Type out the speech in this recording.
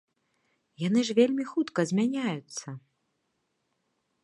Яны ж вельмі хутка змяняюцца.